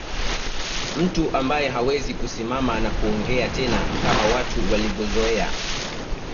Mtu ambae hawezi kusimama na kuongea tena kama watu walivyozoea